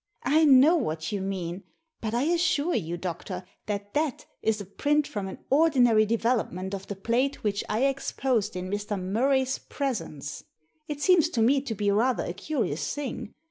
" I know what you mean. But I assure you, doctor, that that is a print from an ordinary de velopment of the plate which I exposed in Mr. Murra/s presence. It seems to me to be rather a curious thing.